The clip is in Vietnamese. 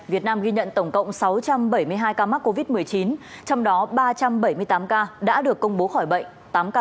việt nam ghi nhận tổng cộng sáu trăm bảy mươi hai ca mắc covid một mươi chín trong đó ba trăm bảy mươi tám ca đã được công bố khỏi bệnh